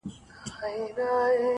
هر میدان یې په مړانه وي گټلی!.